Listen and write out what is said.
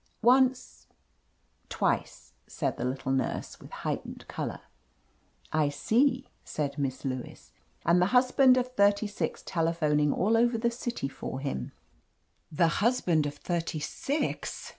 "Once — ^twice," said the little nurse, with heightened color. "I see," said Miss Lewis. "And the hus band of thirty six telephoning all over the city for him." "The husband of thirty six!"